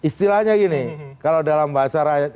istilahnya gini kalau dalam bahasa rakyat